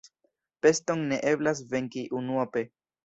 Peston ne eblas venki unuope.